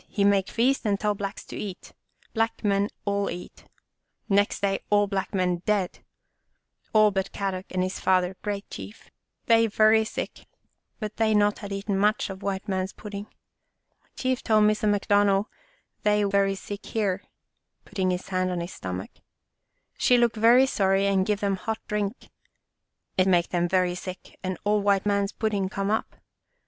He make feast and tell Blacks to eat. Black men all eat. Next day all black men dead, all but Kadok and his father, great Chief. They very sick, but they not had eat much of white man's pudding. Chief tell Missa McDonald they very sick here/' — putting his hand on his stomach —" She look very sorry and give them hot drink. It make them very sick and all white man's pudding come up.